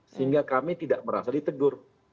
sehingga kami tidak merasa ditegur